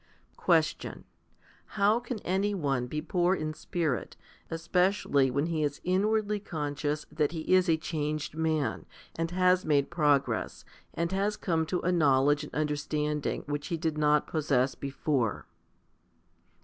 3. Question. How can any one be poor in spirit, especially when he is inwardly conscious that he is a changed man, and has made progress, and has come to a knowledge and understanding which he did not possess before